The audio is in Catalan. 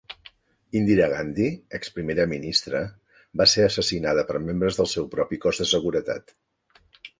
Indira Gandhi, exprimera ministra, va ser assassinada per membres del seu propi cos de seguretat.